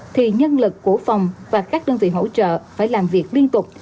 thì nhân lực của phòng và các đơn vị hỗ trợ phải làm việc liên tục